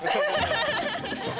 ハハハハ！